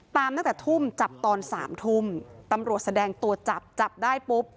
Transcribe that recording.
ตั้งแต่ทุ่มจับตอนสามทุ่มตำรวจแสดงตัวจับจับได้ปุ๊บ